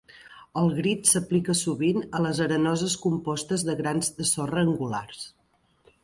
El grit s'aplica sovint a les arenoses compostes de grans de sorra angulars.